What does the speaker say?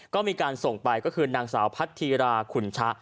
ก็มีการส่งไปก็คือนางสาวพัทธีราขุนชะ